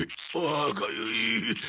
あかゆい。